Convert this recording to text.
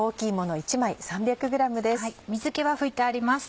水気は拭いてあります。